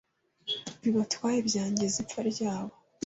bibatwaye byangiza ipfa ryabo